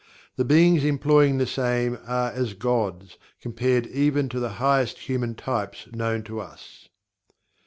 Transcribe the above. The beings employing the same are as "gods" compared even to the highest human types known to us.